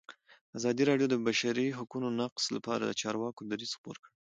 ازادي راډیو د د بشري حقونو نقض لپاره د چارواکو دریځ خپور کړی.